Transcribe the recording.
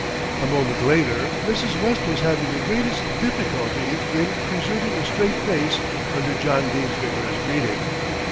A moment later Mrs. West was having the greatest difficulty in preserving a straight face under John Dene's vigorous greeting.